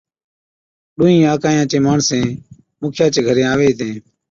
ڏونھِين آڪهِي چين ماڻسين مُکيا چي گھرين آوين ھِتين